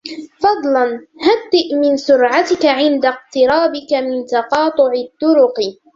فضلاً هدئ من سرعتك عند اقترابك من تقاطع الطرق.